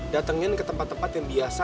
datengin ke tempat tempat yang biasa